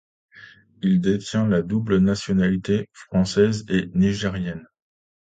Il détient la double nationalité française et nigérienne.